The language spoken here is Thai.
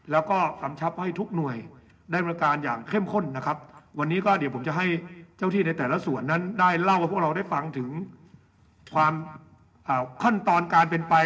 แล้วก็กำชับให้ทุกหน่วยได้บริการอย่างเข้มข้นนะครับวันนี้ก็เดี๋ยวผมจะให้เจ้าที่ในแต่ละส่วนนั้นได้เล่าให้พวกเราได้ฟังถึงความขั้นตอนการเป็นไป